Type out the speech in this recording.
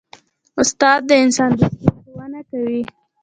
استاد د انسان دوستي ښوونه کوي.